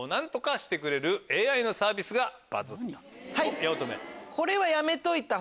八乙女。